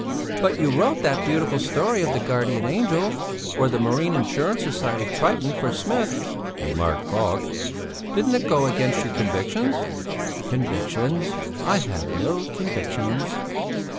"But you wrote that beautiful story of the guardian angel, or the Marine Insurance Society 'Triton,' for Smith," remarked Falk. "Didn't it go against your convictions?" "Convictions? I have no convictions."